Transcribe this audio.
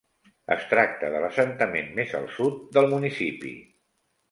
Es tracta de l'assentament més al sud del municipi.